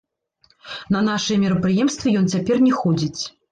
На нашыя мерапрыемствы ён цяпер не ходзіць.